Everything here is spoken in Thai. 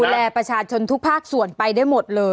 ประชาชนทุกภาคส่วนไปได้หมดเลย